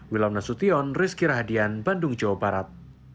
wilam nasution rizky rahadian bandung jawa barat